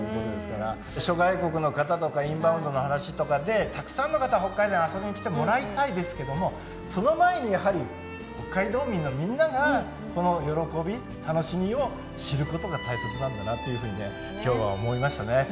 諸外国の方とかインバウンドの話とかでたくさんの方北海道に遊びに来てもらいたいですけどもその前にやはり北海道民のみんながこの喜び楽しみを知ることが大切なんだなっていうふうにね今日は思いましたね。